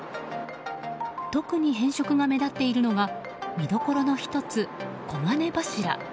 特に変色が目立っているのが見どころの１つ、黄金柱。